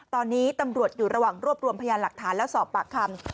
ตอนนี้ตำรวจอยู่ระหว่างรวบรวมพยานหลักฐานและสอบปากคำ